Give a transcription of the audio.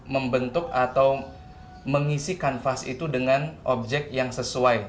mengisi kanvas itu dengan objek yang sesuai